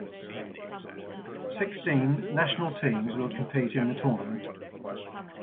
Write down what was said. Sixteen national teams will compete in the tournament.